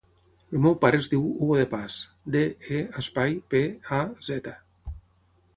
El meu pare es diu Hugo De Paz: de, e, espai, pe, a, zeta.